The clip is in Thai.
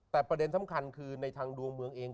แต่ประเด็นสำคัญคือในทางดวงเมืองเอง